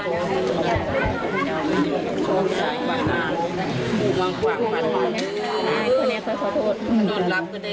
ตอนนี้ก็ไม่มีเวลาให้กลับมาเที่ยวกับเวลา